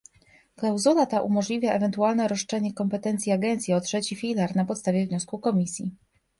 Klauzula ta umożliwia ewentualne rozszerzenie kompetencji agencji o trzeci filar na podstawie wniosku Komisji